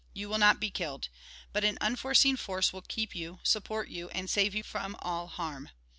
You will not be killed. But an unfoie seen force will keep you, support you, and save you from aU harm."